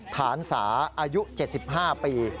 ฐานสาอายุ๗๕ปี